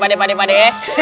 di mana sih